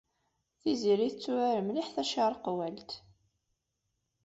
Tiziri tetturar mliḥ tacirqecwalt.